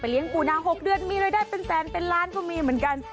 เลี้ยงปูนา๖เดือนมีรายได้เป็นแสนเป็นล้านก็มีเหมือนกัน